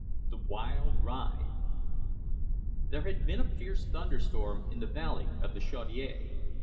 THE WILD RIDE There had been a fierce thunder storm in the valley of the Chaudiere.